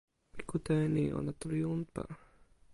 mi kute e ni: ona tu li unpa.